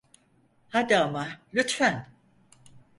Hadi ama, lütfen.